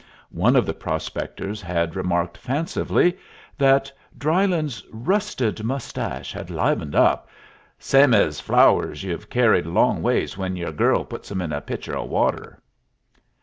One of the prospectors had remarked fancifully that Drylyn's "rusted mustache had livened up; same ez flow'rs ye've kerried a long ways when yer girl puts 'em in a pitcher o' water."